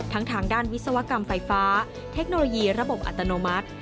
ทางด้านวิศวกรรมไฟฟ้าเทคโนโลยีระบบอัตโนมัติ